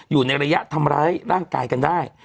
อยู่ในระยะทำร้ายร่างกายกันได้